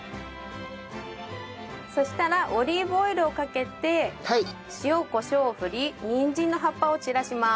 そしたらオリーブオイルをかけて塩コショウを振りにんじんの葉っぱを散らします。